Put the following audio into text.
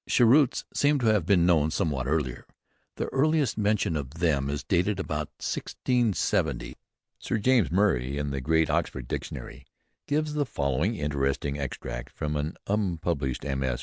Cheroots seem to have been known somewhat earlier. The earliest mention of them is dated about 1670. Sir James Murray, in the great Oxford Dictionary, gives the following interesting extract from an unpublished MS.